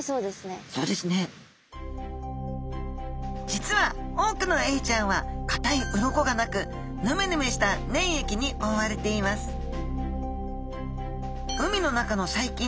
実は多くのエイちゃんはかたい鱗がなくヌメヌメした粘液に覆われていますさあ